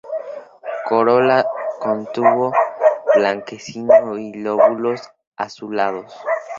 Corola con tubo blanquecino y lóbulos azulados.